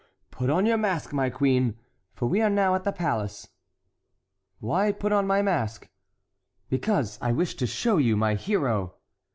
Put on your mask, my queen, for we are now at the palace." "Why put on my mask?" "Because I wish to show you my hero."